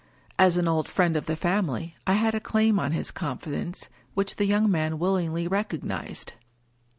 As an old friend 262 Wilkie Collins of the family, I had a claim on his confidence which the young man willingly recognized.